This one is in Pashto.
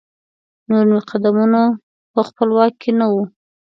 نور مې قدمونه په خپل واک کې نه وو.